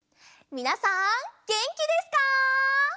みなさんげんきですか？